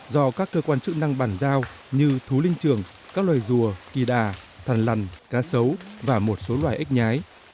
do các cơ quan chức năng bàn giao như thú linh trường các loài rùa kỳ đà thằn lằn cá sấu và một số loài ếch nhái